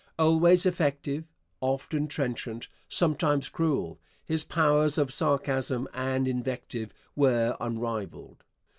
Always effective, often trenchant, sometimes cruel, his powers of sarcasm and invective were unrivalled.